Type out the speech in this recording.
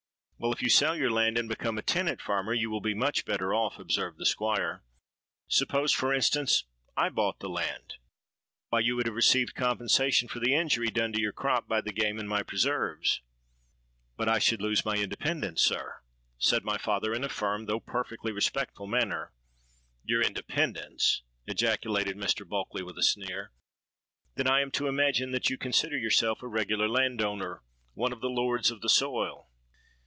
—'Well, but if you sell your land and become a tenant farmer, you will be much better off,' observed the Squire. 'Suppose, for instance, I bought the land? why, you would have received compensation for the injury done to your crop by the game in my preserves.'—'But I should lose my independence, sir,' said my father, in a firm though perfectly respectful manner.—'Your independence!' ejaculated Mr. Bulkeley, with a sneer. 'Then, I am to imagine that you consider yourself a regular landowner, one of the lords of the soil.